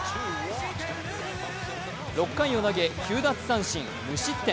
６回を投げ９奪三振、無失点。